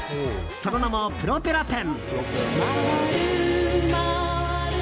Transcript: その名も、プロペラペン。